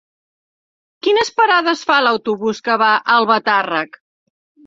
Quines parades fa l'autobús que va a Albatàrrec?